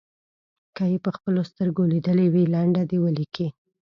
که یې په خپلو سترګو لیدلې وي لنډه دې ولیکي.